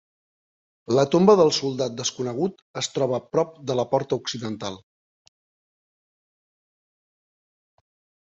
La tomba del soldat desconegut es troba prop de la porta occidental.